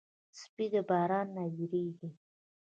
سپي د باران نه وېرېږي.